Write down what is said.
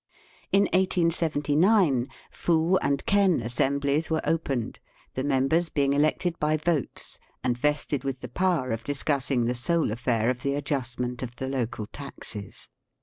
In 1879 fu and ken assemblies were opened, the members being elected by votes and vested with the power of discussing the sole affair of the adjustment of the local taxes.